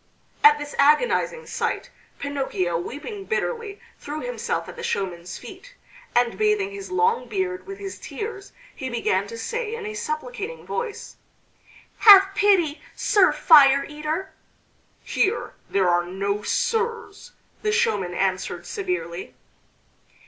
At this agonizing sight Pinocchio, weeping bitterly, threw himself at the showman's feet, and bathing his long beard with his tears he began to say in a supplicating voice: "Have pity, Sir Fire eater!" "Here there are no sirs," the showman answered severely.